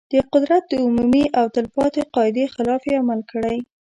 د قدرت د عمومي او تل پاتې قاعدې خلاف یې عمل کړی.